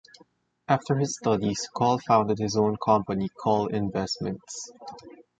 After his studies Kohl founded his own company "Kohl Investments".